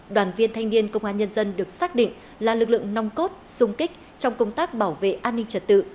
đoàn viên thanh niên công an nhân dân được xác định là lực lượng nong cốt sung kích trong công tác bảo vệ an ninh trật tự